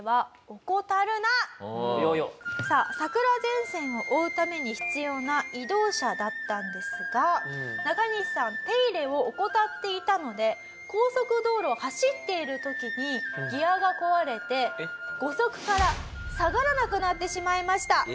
さあ桜前線を追うために必要な移動車だったんですがナカニシさん手入れを怠っていたので高速道路を走っている時にギアが壊れて５速から下がらなくなってしまいました。